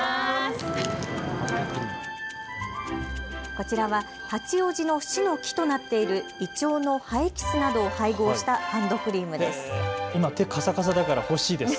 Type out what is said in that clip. こちらは八王子の市の木となっているイチョウの葉エキスなどを配合したハンドクリームです。